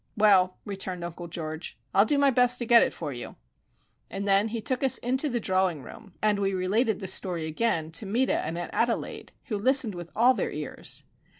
"Well," returned Uncle George, "I'll do my best to get it for you." And then he took us into the drawing room, and we related the story again to Meta and Aunt Adelaide, who listened with all their ears.